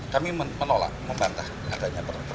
kami menolak membantah adanya pertemuan